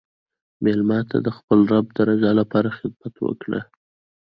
مېلمه ته د خپل رب د رضا لپاره خدمت وکړه.